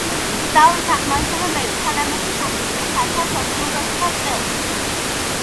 დავით აღმაშენებელი თანამეფედ აკურთხეს ათას ოთხმოცდაცხრა წელს.